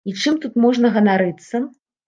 І чым тут можна ганарыцца?